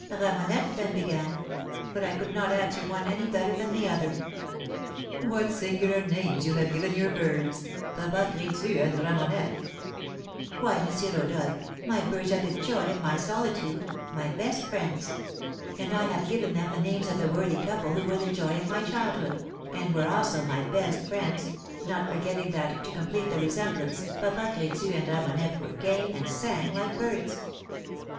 Ramonette then began; but I could not answer one any better than the other." "What singular names you have given your birds: Papa Crétu and Ramonette!" "Why, M. Rodolph, my birds are the joy of my solitude, my best friends; and I have given them the names of the worthy couple who were the joy of my childhood, and were also my best friends, not forgetting that, to complete the resemblance, Papa Crétu and Ramonette were gay, and sang like birds."